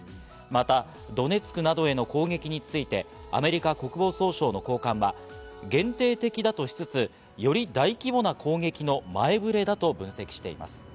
またドネツクなどへの攻撃について、アメリカ国防総省の高官は限定的だとしつつ、より大規模な攻撃の前ぶれだと分析しています。